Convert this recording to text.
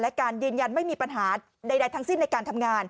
และการยืนยันไม่มีปัญหาใดทั้งสิ้น